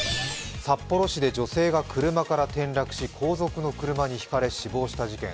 札幌市で女性が車から転落し後続の車にひかれ死亡した事件。